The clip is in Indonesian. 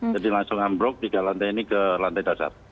jadi langsung ambruk tiga lantai ini ke lantai dasar